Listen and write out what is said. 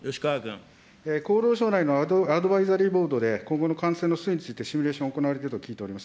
厚労省内のアドバイザリーボードで、今後の感染の推移についてシミュレーションを行われていると聞いております。